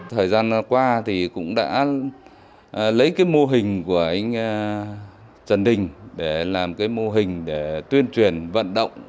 thời gian qua thì cũng đã lấy cái mô hình của anh trần đình để làm cái mô hình để tuyên truyền vận động